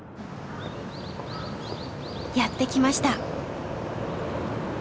やって来ました！